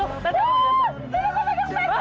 tuh tuh tuh tuh tuh tuh tuh